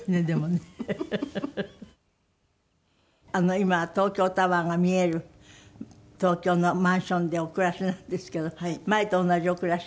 今は東京タワーが見える東京のマンションでお暮らしなんですけど前と同じお暮らし？